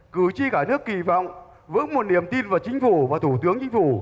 cử tri cả nước kỳ vọng vững một niềm tin vào chính phủ và thủ tướng chính phủ